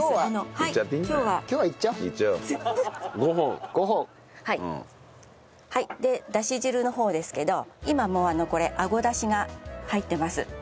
５本。でだし汁の方ですけど今もうこれあごだしが入ってます。